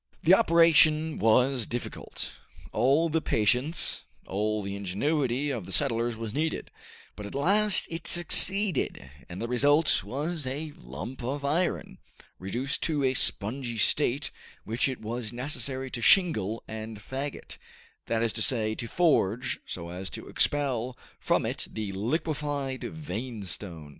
The operation was difficult. All the patience, all the ingenuity of the settlers was needed; but at last it succeeded, and the result was a lump of iron, reduced to a spongy state, which it was necessary to shingle and fagot, that is to say, to forge so as to expel from it the liquefied veinstone.